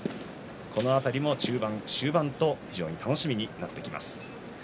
この辺りも中盤、終盤と非常に楽しみになってきます。